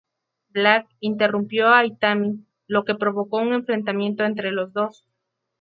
Black interrumpió a Itami, lo que provocó un enfrentamiento entre los dos.